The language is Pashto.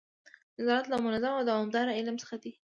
نظارت له منظم او دوامداره علم څخه دی.